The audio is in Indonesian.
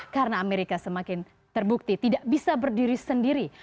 karena amerika semakin terbukti tidak bisa berdiri sendiri